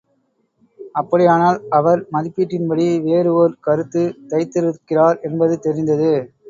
அப்படியானால் அவர் மதிப்பீட்டின்படி வேறு ஓர் கருத்து தைத்திருக்கிறார் என்பது தெரிந்தது.